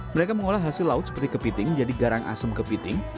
mereka mengolah hasil laut seperti kepiting jadi garang asem kepiting